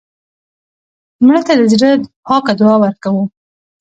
مړه ته د زړه پاکه دعا ورکوو